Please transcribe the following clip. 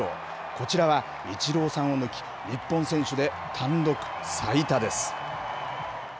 こちらはイチローさんを抜き、日本選手で単独最多です。